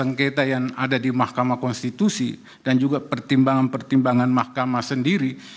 sengketa yang ada di mahkamah konstitusi dan juga pertimbangan pertimbangan mahkamah sendiri